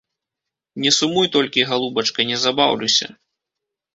Не сумуй толькі, галубачка, не забаўлюся.